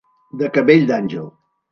De cabell d'àngel.